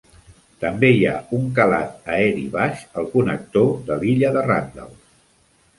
També hi ha un calat aeri baix al connector de l'illa de Randalls.